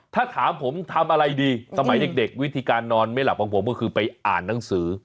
ถ้าถามผมทำอะไรดีสมัยเด็กวิธีการนอนไม่หลับของผมก็คือไปอ่านหนังสือ